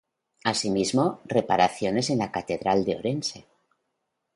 Asimismo, reparaciones en la Catedral de Orense.